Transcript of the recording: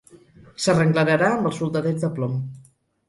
S'arrenglerarà amb els soldadets de plom.